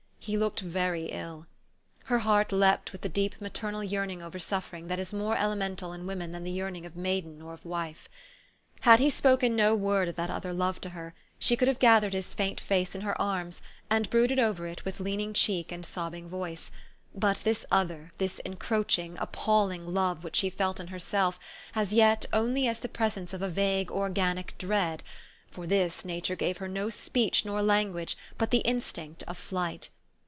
He looked very ill. Her heart leaped with the deep maternal yearning over suffering that is more elemental in women than the yearning of maiden or of wife. Had he spoken no word of that other love to her, she could have gathered his faint face in her arms, and brooded over it with leaning cheek and sobbing voice ; but this other, this en croaching, appalling love, which she felt in herself, as yet, only as the presence of a vague, organic dread, for this, nature gave her no speech nor language but the instinct of flight.